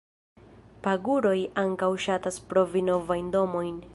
Paguroj ankaŭ ŝatas provi novajn domojn.